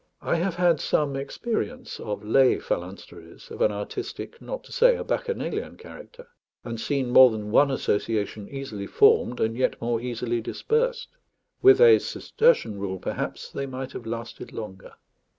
I have had some experience of lay phalansteries, of an artistic, not to say a bacchanalian, character; and seen more than one association easily formed and yet more easily dispersed. With a Cistercian rule, perhaps they might have lasted longer.